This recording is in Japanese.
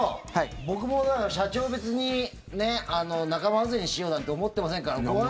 僕も、社長を別に仲間外れにしようなんて思ってません